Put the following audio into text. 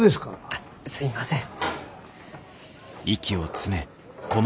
あっすみません。